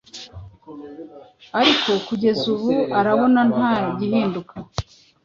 Ariko kugeza ubu arabona nta gihinduka.